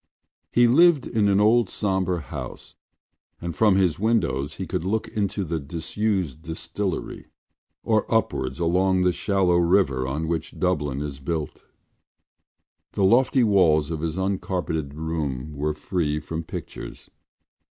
He lived in an old sombre house and from his windows he could look into the disused distillery or upwards along the shallow river on which Dublin is built. The lofty walls of his uncarpeted room were free from pictures.